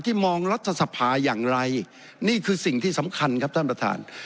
มองรัฐสภาอย่างไรนี่คือสิ่งที่สำคัญครับท่านประธาน